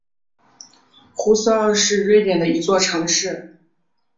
奥胡斯是瑞典的一座城市。